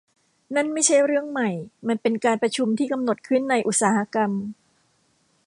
นั่นไม่ใช่เรื่องใหม่มันเป็นการประชุมที่กำหนดขึ้นในอุตสาหกรรม